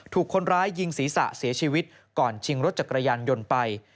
ถูกคนร้ายยิงศีรษะเสียชีวิตก่อนชิงรถจักรยานยนต์ไป